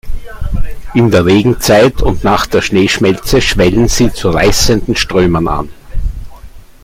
In der Regenzeit und nach der Schneeschmelze schwellen sie zu reißenden Strömen an.